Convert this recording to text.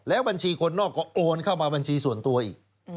บัญชีคนนอกก็โอนเข้ามาบัญชีส่วนตัวอีก